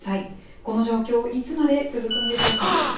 この状況、いつまで続くんでしょうか。